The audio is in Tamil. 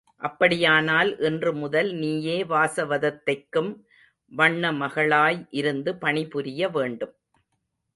அப்படியானால் இன்று முதல் நீயே வாசவதத்தைக்கும் வண்ணமகளாய் இருந்து பணிபுரிய வேண்டும்.